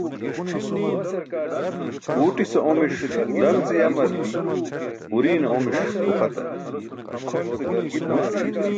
Uwtise omiṣ dan ce yamar, uriṅe omiṣ uxatar